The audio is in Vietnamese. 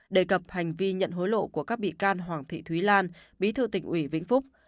đề cập hành vi nhận hối lộ của các bị can hoàng thị thúy lan bí thư tỉnh ủy vĩnh phúc